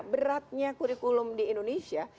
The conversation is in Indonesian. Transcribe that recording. beratnya kurikulum di indonesia